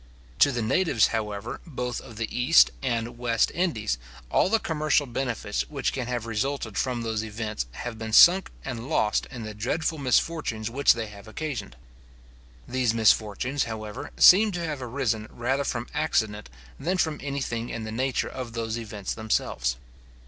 To the natives, however, both of the East and West Indies, all the commercial benefits which can have resulted from those events have been sunk and lost in the dreadful misfortunes which they have occasioned. These misfortunes, however, seem to have arisen rather from accident than from any thing in the nature of those events themselves.